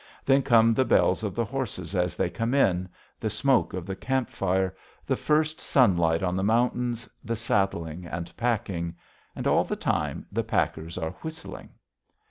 Then come the bells of the horses as they come in, the smoke of the camp fire, the first sunlight on the mountains, the saddling and packing. And all the time the packers are whistling.